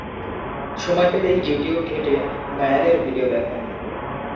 সময় পেলেই ইউটিউব ঘেঁটে নয়্যারের ভিডিও দেখেন।